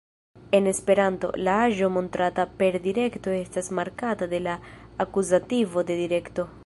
En esperanto, la aĵo montrata per direkto estas markata de la akuzativo de direkto.